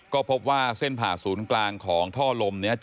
ก็พบว่าเส้นผ่าศูนย์กลางของท่อลมนี้